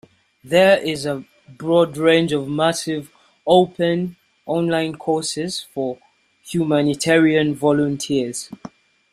There is a broad range of massive open online courses for humanitarian volunteers.